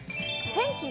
天気